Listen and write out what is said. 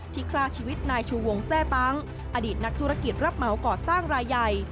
ฆ่าชีวิตนายชูวงแทร่ตั้งอดีตนักธุรกิจรับเหมาก่อสร้างรายใหญ่